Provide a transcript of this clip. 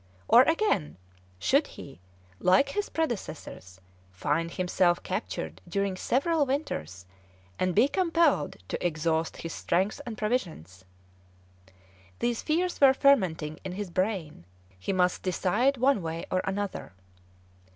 Or, again, should he, like his predecessors, find himself captured during several winters, and be compelled to exhaust his strength and provisions? These fears were fermenting in his brain; he must decide one way or other.